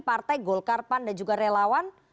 partai golkar pan dan juga relawan